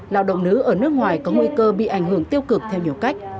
lao động nữ ở nước ngoài có nguy cơ bị ảnh hưởng tiêu cực theo nhiều cách